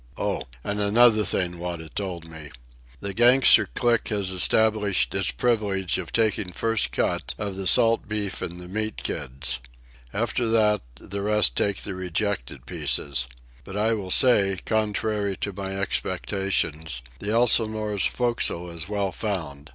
—Oh, and another thing Wada told me. The gangster clique has established its privilege of taking first cut of the salt beef in the meat kids. After that, the rest take the rejected pieces. But I will say, contrary to my expectations, the Elsinore's forecastle is well found.